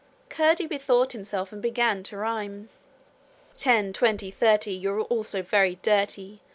Curdie bethought himself and began to rhyme. 'Ten, twenty, thirty You're all so very dirty!